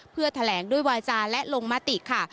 เพื่อแถลงด้วยวาจาและลงมติค่ะ